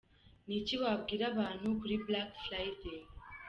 Q: : Niki wabwira abantu kuri black Friday?.